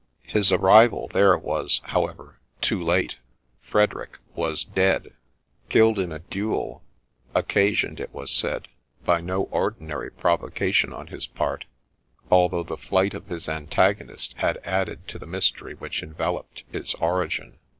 His arrival there was, however, too late. Frederick was dead !— tiled in a duel, occasioned, it was said, by no ordinary provoca m on his part, although the flight of his antagonist had added to the mystery which enveloped its origin.